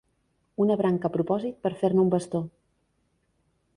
Una branca a propòsit per a fer-ne un bastó.